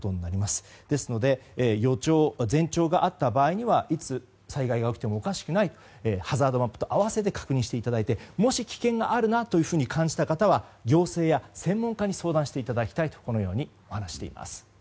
ですので予兆、前兆があった場合にはいつ、災害が起きてもおかしくないハザードマップと併せて確認していただいてもし危険があると感じた方は行政や専門家に相談していただきたいとこのように話しています。